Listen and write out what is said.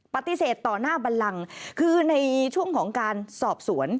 ปฏิเสธต่อหน้าบันลังคือในช่วงของการสอบสวน